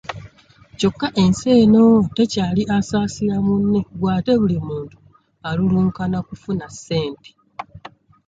Kyokka ensi eno tekyali asaasira munne gwe ate buli muntu alulunkana kufuna ssente.